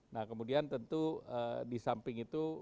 nah kemudian tentu di samping itu